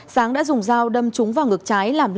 sáng đã dùng dao đâm trúng vào người